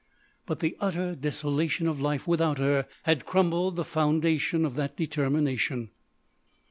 But the utter desolation of life without her had crumbled the foundation of that determination.